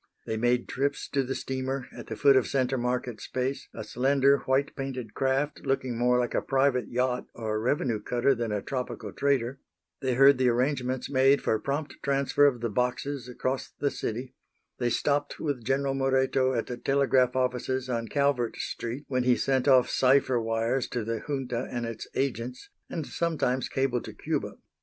They made trips to the steamer, at the foot of Centre Market space, a slender, white painted craft, looking more like a private yacht or a revenue cutter than a tropical trader; they heard the arrangements made for prompt transfer of the boxes across the city; they stopped with General Moreto at the telegraph offices on Calvert street when he sent off cipher wires to the junta and its agents, and sometimes cabled to Cuba.